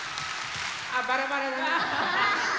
あっバラバラだね。